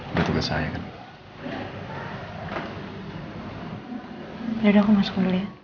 udah tugas saya kan